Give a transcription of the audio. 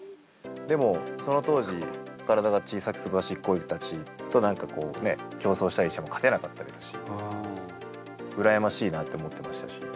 でもその当時体が小さくすばしっこい人たちと何か競走したりしても勝てなかったですし羨ましいなと思ってましたし。